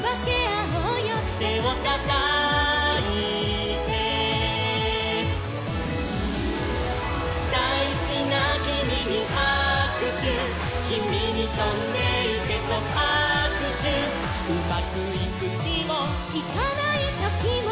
「てをたたいて」「だいすきなキミにはくしゅ」「キミにとんでいけとはくしゅ」「うまくいくひも」「いかないときも」